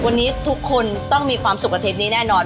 วันนี้ทุกคนต้องมีความสุขกับทริปนี้แน่นอน